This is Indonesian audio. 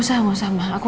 mama harus turun